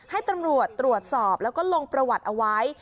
ให้ตรวจประวัติตรวจสอบและลงประวัติไว้